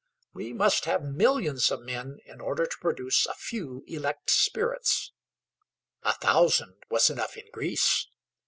We must have millions of men in order to produce a few elect spirits: a thousand was enough in Greece.